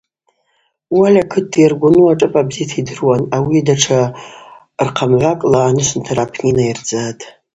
Уали акыт йаргвану ашӏыпӏаква бзита йдыруан, ауи датша рхъамгӏвакӏла анышвынтара апны йнайырдзатӏ.